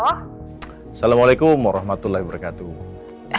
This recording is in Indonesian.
assalamualaikum warahmatullahi wabarakatuh